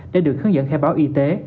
để được hướng dẫn khai báo y tế